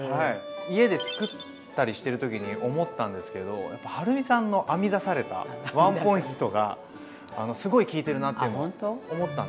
家で作ったりしてる時に思ったんですけどやっぱはるみさんの編み出されたワンポイントがすごい効いてるなっていうのを思ったんで。